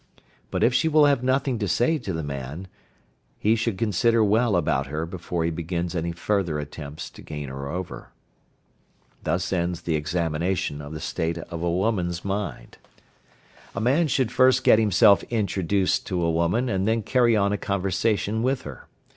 But if she will have nothing to say to the man, he should consider well about her before he begins any further attempts to gain her over. Thus ends the examination of the state of a woman's mind. A man should first get himself introduced to a woman, and then carry on a conversation with her.